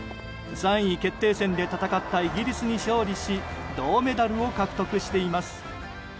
３位決定戦で戦ったイギリスに勝利し銅メダルを獲得しています。